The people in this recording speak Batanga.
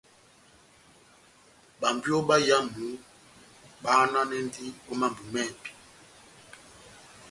Bambwiyo báyámu babahananɛndini ó mambo mɛ́hɛpi.